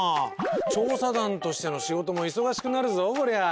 調査団としての仕事も忙しくなるぞこりゃあ。